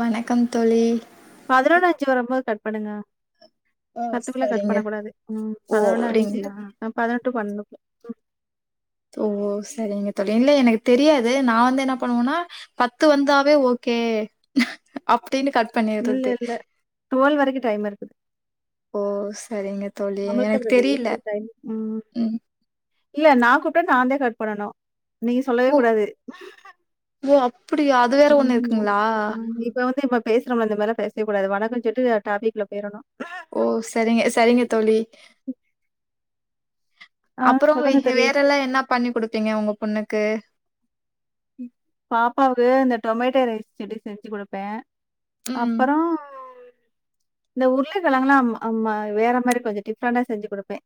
வணக்கம் தோழி பதினொன்னஞ்சு வரும்போ கட் பண்ணுங்க ஓ பத்துக்குள்ள கட் சரிங்க பண்ண கூடாது ம் ஓ பதினொன்னு அஞ்சு அப்டிங்களா ஆ பதினொ டு பண்ணூ ஓ செரிங்க தோழி இல்ல எனக்கு தெரியாது நா வந்து என்ன பண்ணுவோனா பத்து வந்தாவே ஓகே அப் இல்லல்லே டுவல்வ் வரைக்கூ டைம் இருக் ஓ செரிங்கத் நம்மளிட்ட வேஸ்ட்ட் டைம் உம் ம் இல்ல நான் கூப்ட்டா நான்தா கட் பண்ணனு நீ சொல்லவே ஓ கூடாது ஓ அப்டியா அது வேற ஒண்ணு இருக்குங்களா இப்ப வந்து இப்ப பேசுறோம்ல இந்தமேறிலாம் பேசவேக்குடாது வணக்கம்ஞ் சொல்ட்டு டாப்பிக்குள்ள பேயிறனு ஓ சரிங்க சரிங்க ஆ அப்புறோ சொல்லுங்க தோழி. வேற எல்லாம் என்னா பண்ணி குடுப்பீங்க உங்க பொண்ணுக்கு பாப்பாவுக்கு இந்த டொமேட்டோ ரைஸ்செடி செஞ்சு கொடுப்பே ம் அப்பறோ இந்த உருளக்கெழங்கலா அம்மா வேற மாறி கொஞ்சோ டிஃப்ரெண்டா செஞ்சு குடுப்பேன்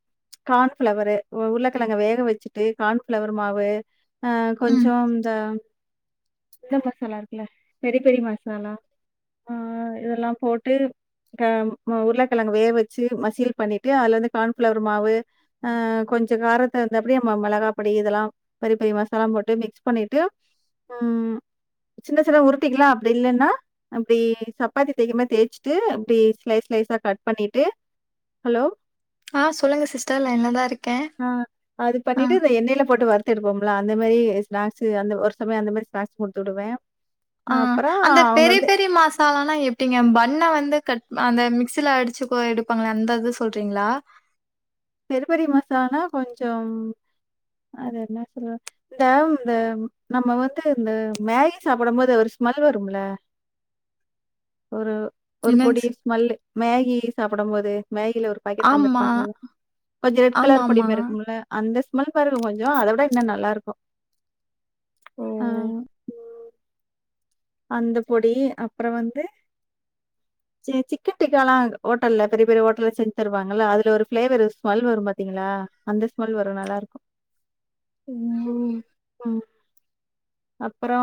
கான்ஃபிளவரு உருளக்கெழங்க வேக வச்சுட்டு கார்ன்ஃபிளவர் மாவு ஆ ம் கொஞ்சோ இந்த இந்த மசாலா இருக்குல்ல பெரி பெரி மசாலா ஆ இதெல்லாம் போட்டு ப உருளக்கெழங்க வேவ வச்சு மசியல் பண்ணிட்டு அதுல வந்து கான்ஃபிளவர் மாவு ஆ கொஞ்சோ காரத்தகுந்தாப்டி நம்ம மேளகாபடி இதெல்லாம் பறிப்பறி மசாலா போட்டு மிக்ஸ் பண்ணிட்டு உம் சின்ன சின்ன உருட்டிக்கலாம் அப்டி இல்லன்னா அப்டி சப்பாத்தி தேக்கமா தேய்ச்சுட்டு அப்டி ஸ்லைஸ்ஸ்லைஸா கட் பண்ணிட்டு ஹலோ ஆ சொல்லுங்க சிஸ்டர் லைனதான் இருக்கே ஆ இருப்போம்லா அந்த மேறி ஸ்நாக்ஸ் அந்த ஒர்த் சமய அந்த மாறி ஸ்நாக்ஸ் குடுத்துடுவே ஆ அந்த பெரி பெரி மசாலனா எப்டிங்க பண்ண வந்து கட் அந்த மிக்சில அடிச்சுகோ எடுப்பாங்களே அந்த இது சொல்றீங்களா பெருப்பறி மசானா கொஞ்சோ அது என்ன சொல்ல இந்த இந்த நம்ம வந்து இந்த மேகி சாப்டோம்போது ஒரு ஸ்மெல் வரும்ல ஒரு ஒரு என்னங் பொடி ஸ் ஸ்மல்லு மேகி டீ சாப்புடும் போது மேகில ஒரு பாக்கெட் ஆமா. தந்திருப்பாங்கள்ள கொஞ்சோ ரெட் கலர் ஆமாமா. பொடிபெருக்கும்ல அந்தஸ் முல் பருகு கொஞ்ச அத விட இன்னு நல்லா இருக்கு ஓ அந்த பொடி அப்றம் வந்து ச்செ சிக்கன் டிக்காலாம் ஹோட்டல்ல பெரிய பெரிய ஹோட்டல்ல செஞ்சு தருவாங்கள அதுல ஒரு பிளேவரு ஸ்மல் வரும் பாத்தீங்களா அந்த ஸ்மல் வரும் நல்லா இருக்கு ம். உம் அப்பறோ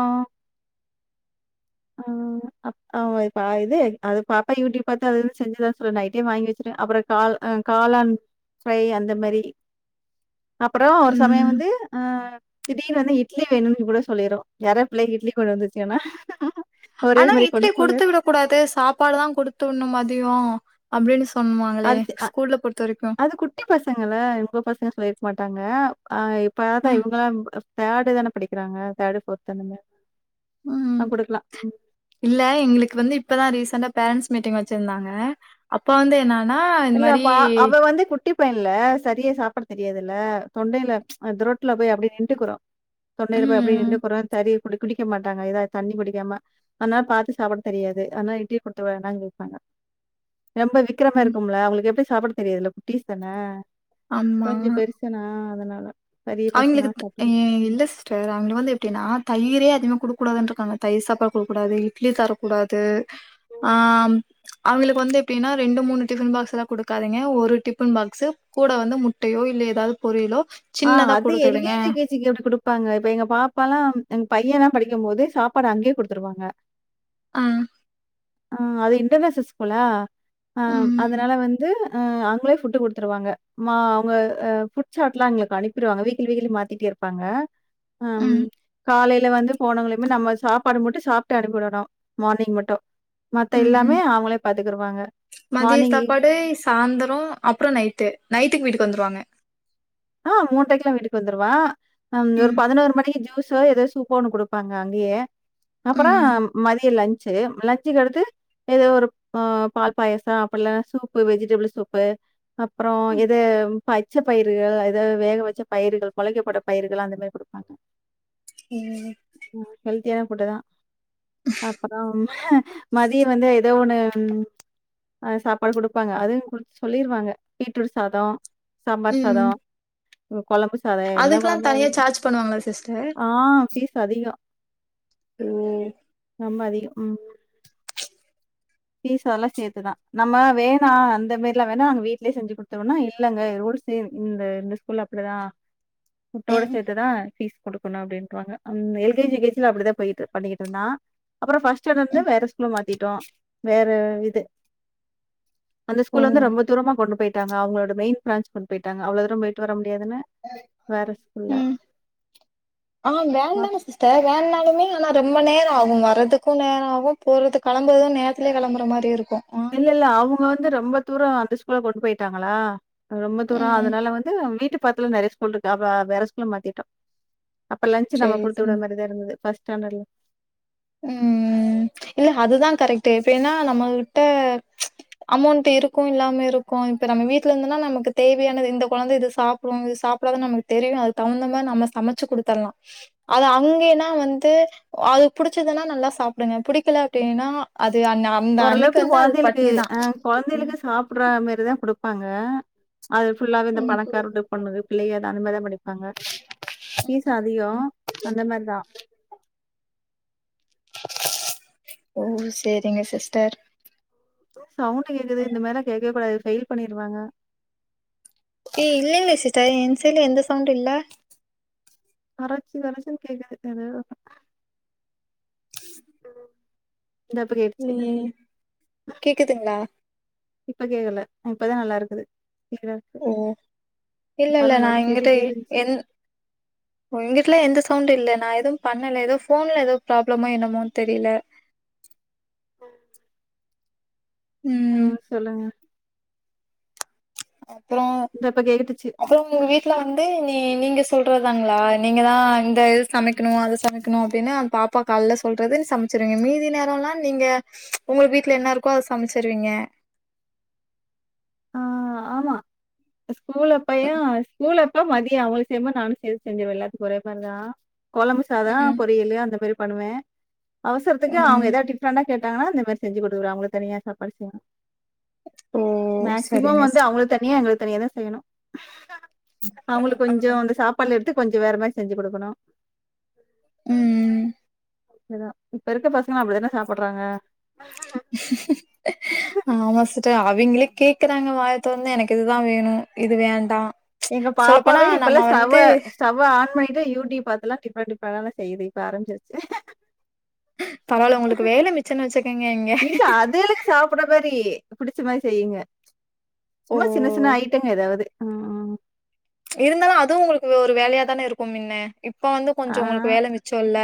அ ம் அ ப இது அது பாப்பா யூடியூப் பாத்து செஞ்சுதா சொன்னா நைட்டே வாங்கி வச்சிச்சிட்டே அப்பறோக் காள் ம் காளான் அந்த மேரி அப்பறம் ஒரு சமயம் ம். வந்து ம் திடீர்னு வந்து இட்லி வேணுனு கூட சொ சொல்லிரு யாராது பிள்ளைங்க இட்லி கொண்டு வந்துருக்கன்னா ஆனா இட்லி குடுத்து விடக் கூடாது சாப்பாடு தான் குடுத்துனு மதியோ அப்டின்னு சொன்னாங்களே அது அ ஸ்கூல்ல பொறுத்த வரைக்கு. அது குட்டி பசங்கல்ல இப்ப பசங்க சொல்லி மாட்டாங்க ஆஹ் இப்ப அ ஆத்தா இவங்களாம் த்தாடு தான படிக்கிறாங்க த்தாடு ஃபோர்த் அந்தமாத் ம் இல்ல எங்ளுக்கு வந்து இப்பதா ரீசண்டா பேரன்ட்ஸ் மீட்டிங் வச்சிர்ந்தாங்க அப்ப வந்து என்ன இல்ல அப்ப ஆ அவ வந்து குட் டி பையன்ல சரியா சாப்பிட தெரியாதுல்ல தொண்டையில த்ரோட்ல போய் அப்படியே நின்ட்டுக்குரூ ம், தொண்டையில போய் அப்டியே ம், நின்ட்டுக்குரூ தரி குடி குடிக்க மாட்டாங்க ஏதாவ்து தண்ணி குடிக்காம அத்னா பாத்து சாப்பிட தெரியாது அத்னா இட்லி குடுத்து வேணா கேப்பாங்க ம். கும்ல அவங்ளுக்கு எப்டி சாப்பிட தெரியாதுல குட்டீஸ் தான கொஞ்சோ பெருசனா அதனால பெரிய பசங்கலாம் அவிங்களுக்குத் சாப்பிட இ ல்ல சிஸ்டர் அவ்ங்க வந்து எப்டின்னா தயிரே அதிக குடுக்கூடாதுன்ருக்காங்க தயிர் சாப்பாடு குடுக்கூடாது இட்லி தரக்கூடாது ஆம் அவ்ங்களுக்கு வந்து எப்டின்னா ரெண்டு மூணு டிஃபன் பாக்ஸ் எல்லா குடுக்காதிங்க ஒரு டிஃபன் பாக்ஸ் கூட வந்து முட்டையோ இல்ல ஏதாவ்து பொரியலோ சின்னதா இப்ப எல் கே குடுத்துடுங்க ஜி, யூ கே ஜி க்கு எப்டி குடுப்பாங்க இப்ப எங்க பாப்பாலா பையன்லா படிக்கும் போது சாப்பாடு அங்கயே குடுத்துருவாங்க ஆஹ் ஆஹ் அது இன்டர்நேஷனல் ஸ்கூலா? ஆஹ் ம் அதனால வந்து அஹ் அவுங்களே ஃபுட்டு குடுத்துருவாங்க மா அவங்க ஃபுட் சாட்லா எங்களுக்கு அனுப்பிடுவாங்க வீக்லி வீக்லி மாத்திட்டே இருப்பாங்க அம் ம் காலையில வந்து போனவங்களையுமே நம்ம சாப்பாடு மட்டு சாப்பிட்டு அனுப்பிடனு மார்னிங் மட்டு உம் மதிய மார்னிங் சாப்பாடு சாந்தரோ அப்புறோ நைட்டு நைட்டுக்கு வீட்டுக்கு வந்துருவாங்க. ஆஹ் மூன்றைக்கெல்லா வீட்டுக்கு வந்துருவா ஆஹ ஒரு ம் பதினோரு மணி ஜூஸ் சோ ஏதோ சூப்பு ஒண்ணு குடுப்பாங்க அங்கேயே அப்புறௌ ம் மதிய லஞ் சு லஞ்சுக்கடுத்து ஏதோ ஒரு அ பால்பாயசோ அப்பல்ல சூப்பு வெஜிடபிள் சூப்பு அப்புறோ இது பச்ச பயிறு வேக வேக வச்ச பயிறுகள் பொளைக்கப்பட்ட பயிறுகள் அந்த மாரி குடுப்பாங்க உம் கேப்புட்டு தா அப்பறம் மதிய வந்து ஏதோ ஒண்ணு ம் ஆஹ் சாப்பாடு குடுப்பாங்க அதும் ஊங்ளுக் சொல்லிருவாங்க பீட்ரூட் சாதோ சாம்பார் ம் சாதோ ஓ குழம்பு சாத என்ன அதுக்கெல்லா குழம்பு அது தனியா சார்ஜ் பண்ணுவாங்களா சிஸ்டர் ஆஹ் பீஸ் இப்பதிகோ உம் ரொம்ப அதிகம் உம் பீஸ் அதெல்லா சேத்துதா நம்ம வேணா அந்த மாரிலா வேணா நாங்க வீட்லயே செஞ்சு குடுத்துருவோன்னா இல்லங்க ரூல்ஸ் இந்த இந்த ஸ்கூல்ல அப்டிதா ஃபுட்டோட ம் சேத்துதா ஃபீஸ் குடுக்கணு அப்டின்ருவாங்க அந் L K G, U K ஜில அப்டிதா போய்ட்டு பண்ணிக்கிட்டுருந்தா அப்புற ஃபஸ்ட் ஸ்டாண்டுலருந்து ம் வேற ஸ்கூல மாத்திட்டோ வேற இது அந்த ஓ ஸ்கூல வந்து ரொம்ப தூரமா கொண்டு போய்ட்டாங்க அவங்களோட மெயின் பிரான்ச் கொண்டு போய்ட்டாங்க அவ்ளோ தூர போய்ட்டு வர முடி உம் ஆஹ் வேன் அப் தான சிஸ்டர் வேன்னாலுமே ரொம்ப நேரோ ஆகு வர்றதுக்கு நேர ஆவும் போறது கெளம்புறது நேரத்துலயே கெளம்புற மாரி இருக் இல்ல இல்ல அவுங்க வந்து ரொம்ப தூரோ அந்த ஸ்கூல கொண்டு போய்ட்டாங்களா ரொம்ப தூரோ ம் அதனால வந்து நம்ம வீட்டு பக்கத்துல நெறய ஸ்கூல்ருக்கு அப்றோ வேற ஸ்கூல்ல மாத்திட்டோ அப்ப லஞ்ச் நம்ம சேரி குடுத்து விட்ற சேரி மாரி தா இருந்துது ஃபஸ்ட் ஸ்டேண்டட்ல உம் இல்ல அதுதா கரெக்ட்டு இப்ப என்னா நம்மகிட்ட ப்ச் அமௌண்ட் இருக்கு இல்லாம இருக்கு இப்ப நம்ம வீட்ல இந்துனா நமக்கு தேவையானது இந்த கொழந்தை இது சாப்புடு இது சாப்படாதுன் நமக்கு தெரியு அதுக் தவுந்தமாரி நாம்ம சமைச்சு குடுத்தர்லா அது அங்கினா வந்து அது புடிச்சுதுன்னா நல்லா சாப்டுங்க புடிக்கல அப்டினா அ ஓரளவுக்கு கொழந்தைளுக்கு அ கொழந்தைகளுக்கு சாப்பட்ற மாரிதா குடுப் பாங்க அது ஃபுல்லாவே இந்த பணக்கார்வீட்டு பொண்ணுக பிள்ளைைக அத அந்த மாரிதா படிப்பாங்க ஃபீஸூ அதிகோ அந்த மார்தா ஓ சேரிங்க சிஸ்டர் [inaudible] சவுண்டு கேக்குது இந்த மாரிலா கேக்கவேகூடாது இது ஃபெயில் பண்ணிருவாங்க ஏ இல்லைங்க சிஸ்டர் என் சைட்ல எந்த சவுண்டு இல்ல கரச்சி கரச்சின் கேக்குது எதோ ஒன்னு இந்தா இப்ப கேட்டுச்சு இல்லயே கேக்குதுங்ளா இப்ப கேக்கல இப்பதா நல்லாருக்குது ஓ இல்லல்ல அப்பல்லா நா எல்லாரு இங்குட்டு கேட்டுட்டே இருந்துச்சு எந் ஓ இங்குட்லா எந்த சவு ண்டு இல்ல நா எதும் பண்ணல எதோ ஃபோன்ல எதோ ப்ராப்ளமோ என்னமோன் தெரில ம் ஆஹ் சொல்லுங்க அ ப்றோ இந்தா இப்ப கேட்டுச்சு அப்புறோ உங்க வீட்ல வந்து நீ நீங்க சொல்றதாங்களா நீங்கதா இந்த இது சமைக்கணு அது சமைக்கணு அப்டினு அந் பாப்பா கால்ல சொல்றது சமைச்சிருவீங்க மீதி நேரோல்லா நீங்க உங்கள்க் வீட்ல என்ன இருக்கோ அதை சமச்சிருவீங்க அ ஆமா ஸ்கூலப்பையா ஸ்கூல் எ ப்போ மதியோ அவுங்குளுக் செய்யும்போ நானு சேத் செஞ்சிருவே எல்லாத்துக்கு ஒரே மார்தா கொழம்பு சாதோ ம் பொரியலு அந்த மாரி பண்ணுவே அவசரத்துக்கு அவுங்க ம் எதா டிப்ஃரண்டா கேட்டாங்கனா அந்த மாரி செஞ்சு குடுக்குற அவுங்களுக் தனியா சாப்பாடு செய்வே ஓ சரிங்க ஸ் அவங்களுக்கு தனியா எங்களுக் தனியாதா செய்யணு ஆ அவுங்குளுக் ஆ கொஞ்ஜோ அந்த சாப்பால்ல எடு த்து கொஞ்ஜோ வேற மாரி செஞ்சு குடுக்கணு உம் ம் [unintelligible] இப்ப இருக்க பசங்கலா அப்டிதான சாப்பட்றாங்க ஆமா சர் து அவிங்களே கேக்குறாங்க வாய தொறந்து எனக்கு இதுதா வேணு இது வேண்டா எங்க சொல்லப்போனா பாப்பாவே இப்பல்லா நம்ம ஸ்டவ்வ வந்து ஸ்டவ்வ ஆன் பண்ணிட்டு யூடியூப் பாத்தெல்லா டிஃப்ரண்ட் டிஃப் ரண்டாலா செய்யுது இப்ப ஆரம்பிச்சிருச்சு பரவால உங்களுக்கு வேல மிச்சன் வெச்சு இல்ல அது இல்ல சாப்பிட மாரி புடிச்ச மாரி செய்யுங்க ஓ சும்மா சின்ன சின்ன ஐட்டங்க எதாவுது ம் ம். இருந்தாலு அதுவு உங்களுக்கு ஒரு வேலையா தான இருக்கு மின்ன இப்ப வந்து கொஞ்சோ ஆ. உங்களுக்கு வேல மிச்ச இல்ல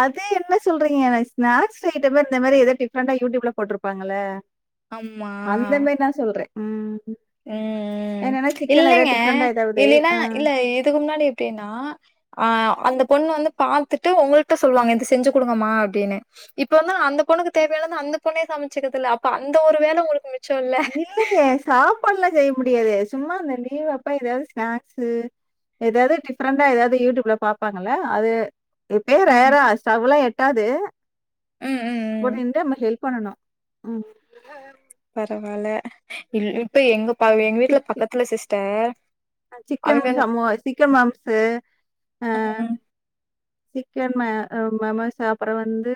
அது என்ன சொல்றிங்க ஸ்நாக்ஸ் ஐட்டலா இந்த மாரி எதோ டிஃப்ரெண்டா யூடியூப்ல போட்ருப்பாங்கல அந்த மேரி நா சொல்றே ம் ம், ம், என்னன்னா சிக்கன்ல இல்லங்க ஏதாவது டிஃபரண்டா ஏதாவது இல்லின்னா அ இல்ல இதுக்கு முன்னாடி எப்டின்னா அ அந்த பொண்ணு வந்து பாத்துட்டு உங்கள்ட்ட சொல்லுவாங்க இது செஞ்சு குடுங்கம்மா அப்டின்னு இப்ப வந்து அந்த பொண்ணுக்கு தேவையானது அந்த பொண்ணே சமைச்சுக்குதுல்ல அப்ப அந்த ஒரு வேல உங்களுக்கு மிச் இல்லையே சாப்பாடுலா செய் முடியாது சும்மா அந்த லீவ் அப்ப எதாவது ஸ்நாக்ஸு எதாவது டிஃப்ரெண்டா எதாவது யூடியூப்ல பாப்பாங்கல்ல அது எப்பயோ ஆ ம் ரேரா ஸ்டவ்லா எ ட்டாது ம் கூட ம் நிண்டு நம்ம ஹெல்ப் பண்ணணு, ம் பரவால்ல இல் இப்ப எங்க பாவ எங்க வீட்ல பக்கத்துல சிஸ் டர் அ சிக்கன் சமோ சிக்கன் மாம்ஸ்சு அ ம் சிக்கன் ம அ மமோஸ் அப்பறோ வந்து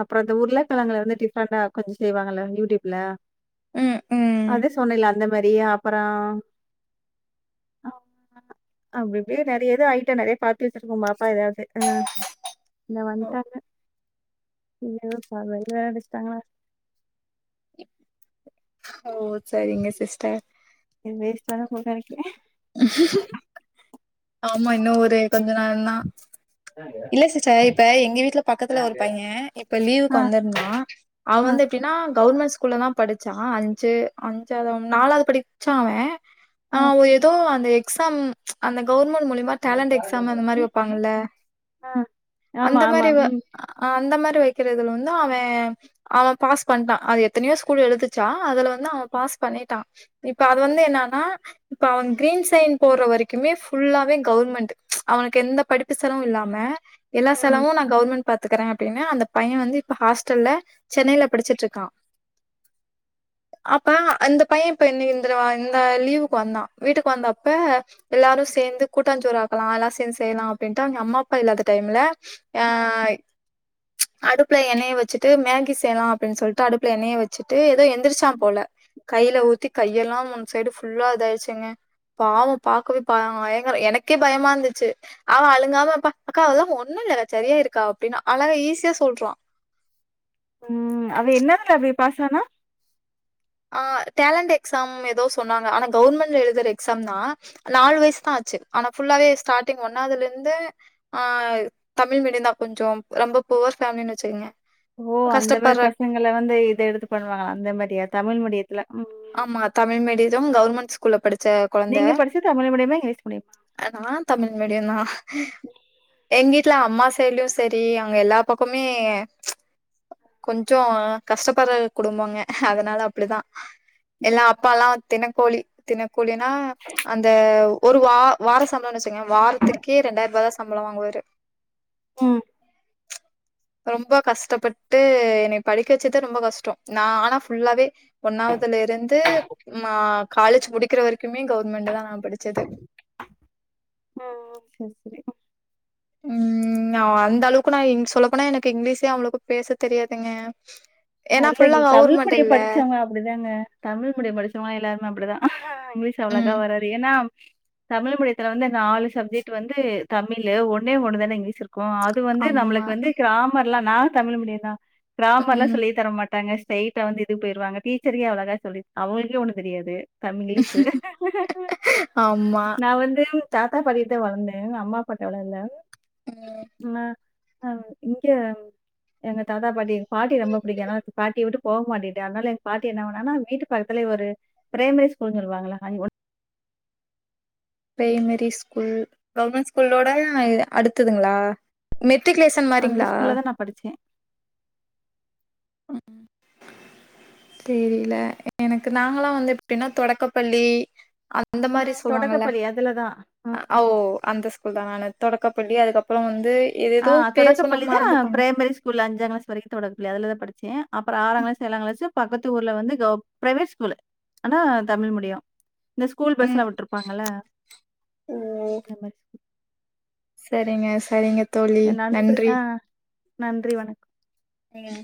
அப்பறோ இந்த உருளக் கெழங்குல வந்து டிஃப்ரெண்டா கொஞ்சோ செய்வாங்கல்ல யூடியூப்ல ம் ம் அதே சொன்னேல அந்த மாரி அ ப்றோ அப்டி இப்டி நெறைய இது ஐட்ட நெறைய பாத்து வச்சிருக்கு பாப் அ எதயாவ்து ம் இந்தா வந்த்ட்டாங்க இல்லபா வேற அடிச்சிட்டாங்ளா ஓ சரிங்க சிஸ்டர் இ வேஸ்டான [unintelligible] ஆமா இன்னு ஒரே கொஞ்ச நேர தா இல்ல சிஸ்டர் இப்ப எங்க வீட்ல பக்கத்துல ஒரு பைய இப்ப லீவுக்கு ஆ, வந்திருந்தா அவ ஆ, வந்து எப்டின்னா கவுர்ண்மண்ட் ஸ் ஸ்கூல்ல தா படிச்சா அஞ்சு அஞ்சாவுதா நாலாவது படிச்சா ஆ, அவ ஏதோ அந்த எக்சாம் அந்த கவர்ண்மென் மூலமா டேலண்ட் எக்ஸாம் அந்த மாரி ம். வப்பாங்கல்ல ஆ. ஆமா, அந்த ஆமா. மாரி அவ ம், அ அந்த மாரி வைக்கிறதுல வந்து அவன் அவ பாஸ் பண்ட்டா அது எத்தனையோ ஸ்கூல் எழுதுச்சா அதுல வந்து அவ பாஸ் பண்ணிட்டா இப்ப அது வந்து என்னன்னா இப்ப அவன் கிரீன் சைன் போற வரைக்குமே ஃபுல்லாவே கவர்மெண்ட் அவனுக்கு எந்த படிப்பு செலவு இல்லாம ம எல்லா ம், செலவு நா கவர்மெண்ட் பாத்துக்கறே அப்படின்னு அந்த பைய வந்து இப்ப ஹாஸ்டல்ல சென்னைல படிச்சிட்டு இருக்கா அப்ப அந்த பைய இப்ப இந்ரவ இந்த லீவுக்கு வந்தா வீட்டுக்கு வந்தப்ப எல்லாரு சேந்து கூட்டாஞ்சோறு ஆக்கலா எல்லா சேந்து செய்யலா அப்டின்ட்டு அவிங்க அம்மா இல்லாத டைம்ல ஆஹ் அடுப்புல எண்ணெய வச்சுட்டு மேகி செய்யலா அப்டின்னு சொல்லிட்டு அடுப்புல எண்ணெய வச்சிட்டு ஏதோ எந்திரிச்சா போல கைல ம், ஊத்தி கையெல்லா மு ஒரு சைடு ஃபுல்லா இதாயிடுச்சுங்க பாவ பாக்கவே ப பயங்கர எனக்கே பயமா இருந்துச்சு அவ அழுங்காமப்பா அக்கா அதெல்லா ஒண்ணு இல்லக்கா சரியா ஆயிருக்கா அப்டின்னு அழகா ஈஸியா சொல்றா உம் அவ என்னதுல அப்டி பாஸ் ஆனா ஆஹ் டேலண்ட் எக்ஸாம் ஏதோ சொன்னாங்க ஆனா கவர்மெண்ட்ல எழுதுற எக்ஸாம் தா நாலு வயசு தா ஆச்சு ஆனா ஃபுல்லாவே ஸ்டார்டிங் ஒன்னாதுல இருந்து ஆஹ் தமிழ் மீடியந்தா கொஞ்ச ரொம்ப புவர் ஃபேமிலின்னு வச்சுக்குங்க ஓ அந்த மாரி பசங்கள வந்து இத எடுத்து பண்ணுவாங்க அந்த மாரியா தமிழ் மீடிய ஆமா தமிழ் மீடியம் கவர்மெண்ட் ஸ்கூல்ல படிச்ச கொழந்த நீங்க படிச்சது தமிழ் மீடியமா? இங்கிலீஷ் மீடியமா? நா தமிழ் மீடியந்தா எங்க வீட்டுல அம்மா சடுலயு சரி அங்க எல்லா பக்கமே கொஞ்ச கஷ்டப்படற குடும்பங்க அதனால அப்டிதா எல்லா அப்பாலா தினக்கூலி தினக் கூலினா அந்த ஒரு வா வாரஸ் சம்பளம்னு வச்சுக்கங்களே வாரத்துக்கே ரெண்டாயிர் ரூபா தா சம்பள வாங்குவாரு ம். ரொம்ப கஷ்டப்பட்டு என்னைய படிக்க வச்சதே ரொம்ப கஷ்ட நா ஆனா ஃபுல்லாவே ஒன்னாவது துல இருந்து மா காலேஜ் முடிக்கிற வரைக்குமே கவர்மெண்ட்டு தா நா படிச்சது ஆஹ் சரி சரி உம் அ அந்த அளவுக்கு நா ங்க சொல்லப் போனா எனக்கு இங்கிலீஷே அவ்ளோக்கு பேச தெரியாதுங்க அ ஏன்னா ஃபுல்லா இல்லைங்க தமிழ் கவுர்மெண்ட் மீடியம் இல்ல படிச்சவங்க அப்பிடிதாங்க தமிழ் மீடியம் படிச்சவங்க எல்லாரு அப்பிடிதா ஹ இங்கிலீஷ் அவ்ளக்கா வராது ஏன்னா தமிழ் மீடியத்துல வந்து நாலு சப்ஜெக்ட் வந்து தமிழு ஒன்னே ஒண்ணு தானே இங்கிலீஷ் இருக்கு க்கு அது வந்து ஆமா நம்மளுக்கு வந்து கிராமர் ல்ல நானுந் தமிழ் மீடியந்தா க்ராமர்ல்லா ம் ண்ண மாட்டாங்க ஸ்ட்ரெய்ட்டா வந்து இதுக் போயிருவாங்க டீச்சரே அவ்ளோ அழகா சொல்லி அவுங்களுக்கே ஒன்னுந் தெரியாது தம்ங்கிலீஷ்சு ஆமா நா வந்து தாத்தா பாட்டிட்ட வளர்ந்தே அம்மா அப்பாட்ட வளர்ல ம் நா ஆஹ் இங்க எங்க தாத்தா பாட்டி பாட்டி ரொம்ப புடிக்கோ அனால பாட்டிய விட்டு போக மாட்டேன்ட்டே அதனால எங்க பாட்டி என்ன பண்ணாங்கன்னா வீட்டு பக்கத்துலயே ஒரு பிரைமரி ஸ்கூல்ன்னு சொல்லுவாங்கல்ல அங்க ஒன் பிரைமரி ஸ்கூல் கவர்மெண்ட் ஸ்கூலோட அடுத்ததுங்களா மெத் மெட்ரிகுலேசன் அந்த மாரிங்களா ஸ்கூல்ல தான் நான் படிச்சேன். உம் தெரியலே எனக்கு நாங்கெல்லா வந்து எப்டின்னா தொடக்கப்பள்ளி அந்த ம். மாதிரி சொல்லுவாங்கல்ல தொடக்கப்பள்ளி அதுல தான். ம். அ ஓ அந்த ஸ்கூல் தா நானு தொடக்கப்பள்ளி அதுக்கப்புறோ வந்து ஏதேதோ ஆஹ் பேர் தொடக்கப்பள்ளி சொன்னாங்க தா மறந்துட்டாங்க பிரைமரி ஸ்கூல்ல அஞ்சாம் கிளாஸ் வரைக்கும் தொடக்கா அதுலதா படிச்சேன் அப்புறோ ஆறாங் க்ளாஸ் ஏழாங் க்ளாஸ்சு பக்கத்து ஊர்ல வந்து கவுர் ப்ரைவேட் ஸ்கூலு ஆனா தமிழ் மீடியம் இந்த ஸ்கூல் பஸ்லா ம் விட்டுருப்பாங்கல்ல அந்த மாரி ஸ்கூல் சேரிங்க சேரிங்கத் தோழி நன்றி நன்றி வணக்கம் ஏங்க